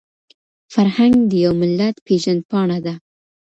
فرهنګ د يو ملت پېژندپاڼه ده.